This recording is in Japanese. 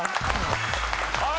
はい。